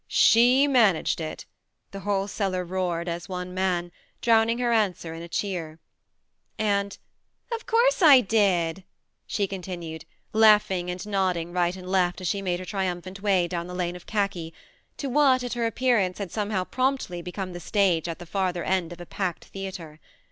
"She managed it !" the whole cellar roared as one man, drowning her answer in a cheer. And, " Of course I did !" she continued, laughing and nodding right and left as she made her triumphant THE MARNE 101 way down the lane of khaki, to what, at her appearance, had somehow promptly become the stage at the farther end of a packed theatre.